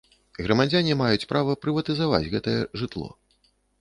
Грамадзяне маюць права прыватызаваць гэтае жытло.